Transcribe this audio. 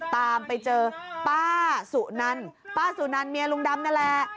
ตามไปเจอป้าสุนันป้าสุนันเมียลุงดำนั่นแหละ